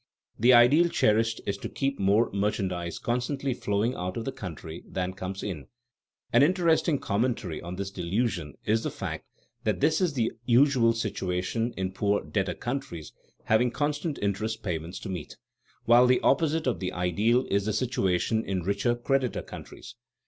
The ideal cherished is to keep more merchandise constantly flowing out of the country than comes in. An interesting commentary on this delusion is the fact that this is the usual situation in poor debtor countries having constant interest payments to meet; while the opposite of the ideal is the situation in rich creditor countries.